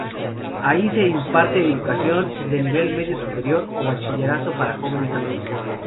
Ahí se imparte la educación del Nivel Medio Superior o Bachillerato para jóvenes alumnos.